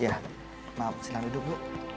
ya maaf senang hidup bu